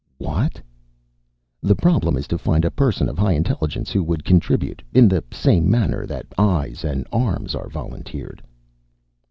"What?" "The problem is to find a person of high intelligence who would contribute, in the same manner that eyes and arms are volunteered."